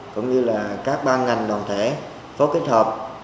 cũng như các ban ngành đoàn thể phố kết hợp